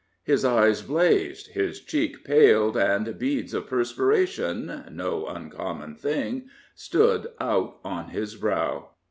His eye blazed, his cheek paled, and beads of perspiration — no uncommon thing — stood out on his brow.